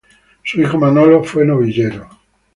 Su hijo Manolo fue novillero.